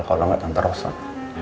kalau nggak tante rosak